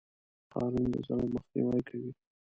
قانون د ظلم مخنیوی کوي.